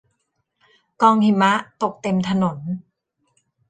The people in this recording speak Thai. กองหิมะ ตกเต็มถนน